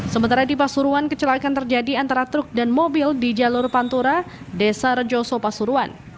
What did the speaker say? sementara di pasuruan kecelakaan terjadi antara truk dan mobil di jalur pantura desa rejoso pasuruan